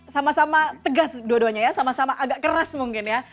sama sama tegas dua duanya ya sama sama agak keras mungkin ya